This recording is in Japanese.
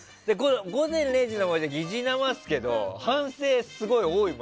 「午前０時の森」って疑似生ですけど反省すごい多いもん。